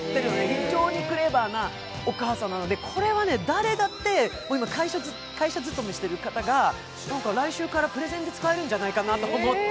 非常にクレバーなお母さんなので、これは誰だって今、会社勤めしている方が来週からプレゼンで使えるんじゃないかなと思って。